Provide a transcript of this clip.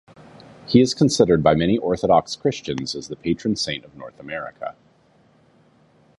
He is considered by many Orthodox Christians as the patron saint of North America.